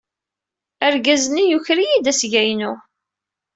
Argaz-nni yuker-iyi asga-inu.